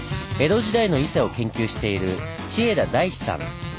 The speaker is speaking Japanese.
江戸時代の伊勢を研究している千枝大志さん。